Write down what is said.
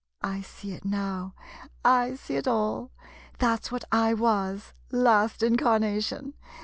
I see it now — I see it all — that 's what I was — last incarnation.